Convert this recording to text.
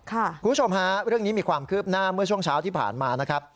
คุณผู้ชมฮะเรื่องนี้มีความคืบหน้าเมื่อช่วงเช้าที่ผ่านมานะครับ